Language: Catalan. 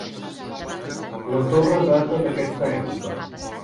La torre data d'aquesta època.